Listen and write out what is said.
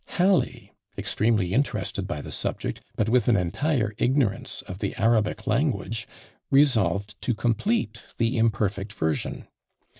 Halley, extremely interested by the subject, but with an entire ignorance of the Arabic language, resolved to complete the imperfect version!